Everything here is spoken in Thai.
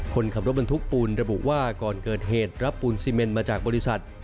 คนขับรถบรรทุกปูนระบุว่าก่อนเกิดเหตุรับปูนซีเมนมาจากบริษัท